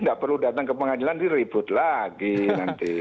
tidak perlu datang ke pengadilan diribut lagi nanti